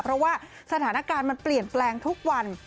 เพราะว่าสถานการณ์มันเปลี่ยนแปลงทุกวัน